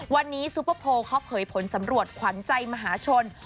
วันนี้ซูเปอร์โพลเขาเผยผลสำรวจขวัญใจมหาชน